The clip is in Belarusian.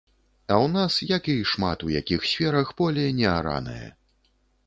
А ў нас, як і шмат у якіх сферах, поле неаранае.